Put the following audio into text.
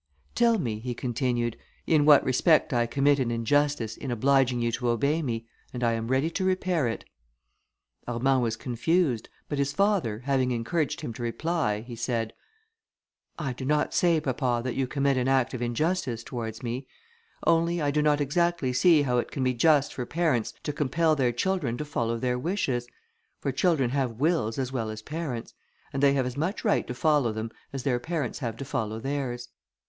"Tell me," he continued, "in what respect I commit an injustice, in obliging you to obey me, and I am ready to repair it." Armand was confused, but his father, having encouraged him to reply, he said, "I do not say, papa, that you commit an act of injustice towards me, only I do not exactly see how it can be just for parents to compel their children to follow their wishes; for children have wills as well as parents, and they have as much right to follow them as their parents have to follow theirs."